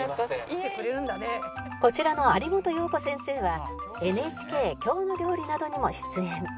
こちらの有元葉子先生は ＮＨＫ『きょうの料理』などにも出演